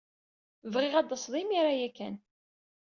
Bɣiɣ ad d-tased imir-a ya kan.